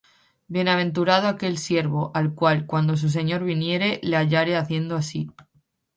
Bienaventurado aquel siervo, al cual, cuando su señor viniere, le hallare haciendo así.